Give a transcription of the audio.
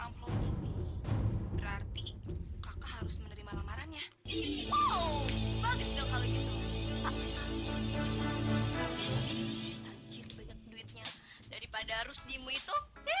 kok cuma kayak gini doang sih